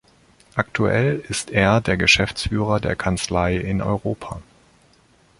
Aktuell ist er der Geschäftsführer der Kanzlei in Europa.